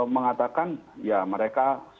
mengatakan ya mereka